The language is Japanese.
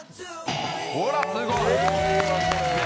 ほらすごい！